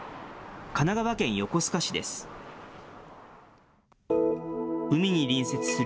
神奈川県横須賀市です。